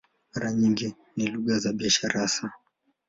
Mara nyingi ni lugha za biashara hasa.